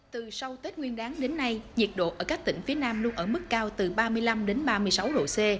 từ sau tết nguyên đáng đến nay nhiệt độ ở các tỉnh phía nam luôn ở mức cao từ ba mươi năm đến ba mươi sáu độ c